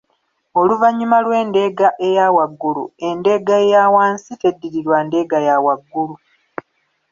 Oluvannyuma lw’endeega eya waggulu, endeega eya wansi teddirirwa ndeega ya waggulu